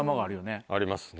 ありますね。